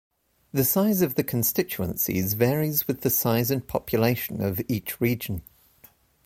The size of the constituencies varies with the size and population of each region.